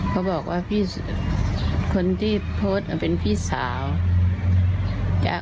เขาบอกว่าพี่คนที่โพสต์เป็นพี่สาว